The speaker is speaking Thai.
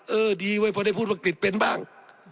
เออดีเว้ยพอได้พูดว่ากฤษเป็นบ้าง